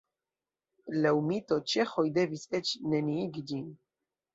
Laŭ mito ĉeĥoj devis eĉ neniigi ĝin.